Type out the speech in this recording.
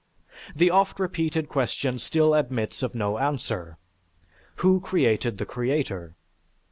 The oft repeated question still admits of no answer, "Who created the creator"?